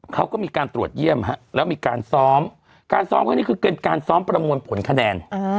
เขาก็มีการตรวจเยี่ยมแล้วมีการซ้อมการซ้อมครั้งนี้คือเป็นการซ้อมประมวลผลคะแนน